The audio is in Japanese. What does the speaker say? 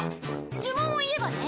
呪文を言えばね。